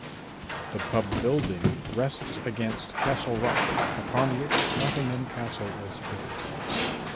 The pub building rests against Castle Rock upon which Nottingham Castle is built.